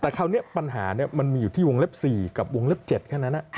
แต่คราวนี้ปัญหามันมีอยู่ที่วงเล็บ๔กับวงเล็บ๗แค่นั้น